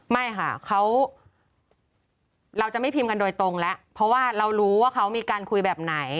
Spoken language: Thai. ไม่ค่ะเขาเราจะไม่พิมพ์กันโดยตรงแล้วเพราะว่าเรารู้ว่าเขามีการคุยแบบไหน